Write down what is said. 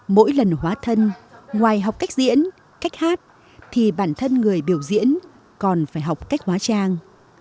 mỗi lần hóa thân ngoài học cách diễn cách hát thì bản thân người biểu diễn còn phải học cách hóa trang